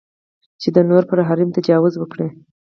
چې د نورو پر حریم تجاوز وکړي.